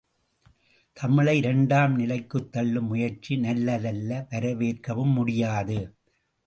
தமிழை இரண்டாம் நிலைக்குத்தள்ளும் முயற்சி நல்லதல்ல வரவேற்கவும் முடியாது.